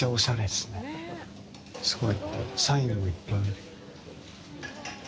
すごい、サインもいっぱいある。